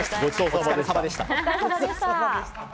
お疲れサバでした。